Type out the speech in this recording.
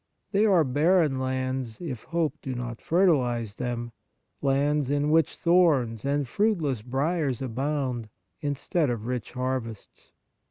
They are barren lands if hope do not fertilize them — lands in which thorns and fruitless briars abound, instead of rich harvests.